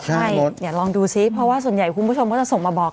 ไม่เดี๋ยวลองดูซิเพราะว่าส่วนใหญ่คุณผู้ชมก็จะส่งมาบอก